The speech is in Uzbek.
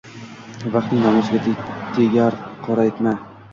vaqtning nomusiga tegar qoraytma